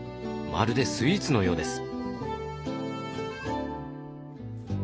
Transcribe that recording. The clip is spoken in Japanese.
まるでスイーツのようです。